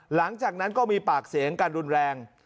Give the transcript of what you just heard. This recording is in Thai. หลังจากนั้นก็มีปากเสียงกันรุนแรง